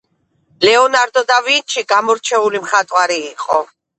ლეონარდო და ვინჩი გამორჩეული მხატვარი იყო